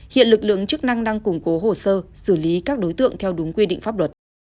hiện lực lượng chức năng đang củng cố hồ sơ xử lý các đối tượng theo đúng quy định pháp luật